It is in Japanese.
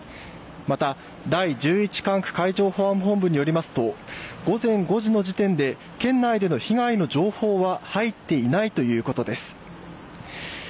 また第１１管区海上保安本部によりますと午前５時の時点で県内での被害の情報は入っていないということです